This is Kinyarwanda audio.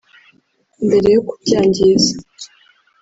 Mbere yo kubyangiza